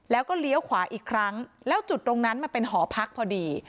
แล้วก็เลี้ยวขวาอีกครั้งแล้วจุดตรงนั้นมันเป็นหอพักพอดี